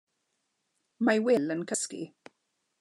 Mae Wil yn cysgu.